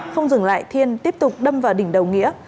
không dừng lại thiên tiếp tục đâm vào đỉnh đầu nghĩa